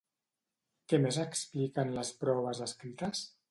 Què més expliquen les proves escrites?